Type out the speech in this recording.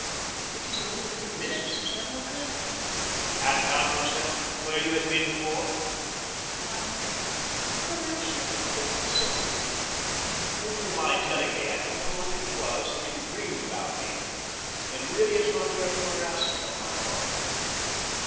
It is only a few minutes since I woke up." "And found yourself where you had been before?" "Why, where else should I find myself?" "Would you mind telling me, Agatha, what it was that you dreamed about me? It really is not mere curiosity on my part."